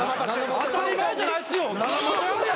当たり前じゃないっすよ。